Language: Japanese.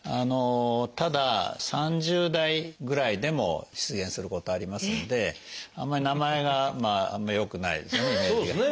ただ３０代ぐらいでも出現することありますのであんまり名前があんま良くないですよねイメージが。